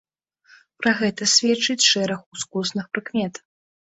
Пра гэта сведчыць шэраг ускосных прыкмет.